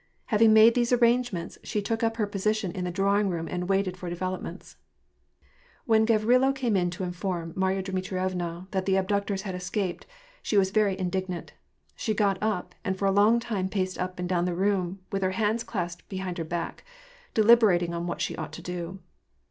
Having made these arrangements, she took up her position in the drawing room and waited for developments. When (javrilo came to inform Marya Dmitrievna that the abductors had escaped, she was very indignant ; she got up, and for a long time paced up and down the room, with her hands clasped behind her back, delil)erating on what she ought to do.